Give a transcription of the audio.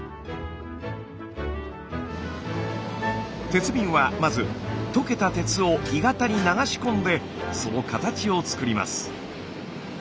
鉄瓶はまず溶けた鉄を鋳型に流し込んでその形を作ります。